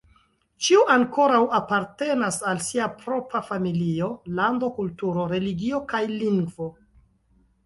Ĉiu ankoraŭ apartenas al sia propra familio, lando, kulturo, religio, kaj lingvo.